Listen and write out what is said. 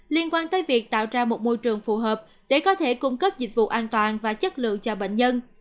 liên quan tới việc tạo ra một môi trường phù hợp để có thể cung cấp dịch vụ an toàn và chất lượng cho bệnh nhân